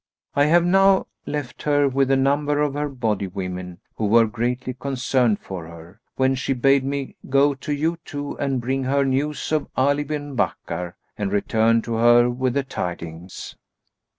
I have now left her with a number of her body women, who were greatly concerned for her, when she bade me go to you two and bring her news of Ali bin Bakkar and return to her with the tidings."